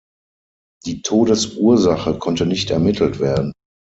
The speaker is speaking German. Die Todesursache konnte nicht ermittelt werden.